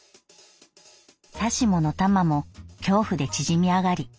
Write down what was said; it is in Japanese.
さしものタマも恐怖で縮み上り